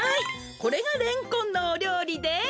これがレンコンのおりょうりです！